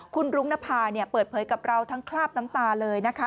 คุณรุ้งนภาเปิดเผยกับเราทั้งคราบน้ำตาเลยนะคะ